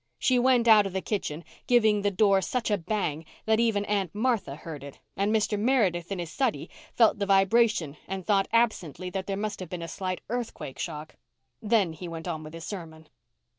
She went out of the kitchen, giving the door such a bang that even Aunt Martha heard it, and Mr. Meredith in his study felt the vibration and thought absently that there must have been a slight earthquake shock. Then he went on with his sermon.